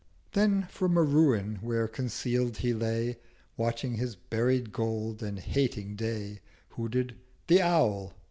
330 Then from a Ruin where conceal'd he lay Watching his buried Gold, and hating Day, Hooted The Owl.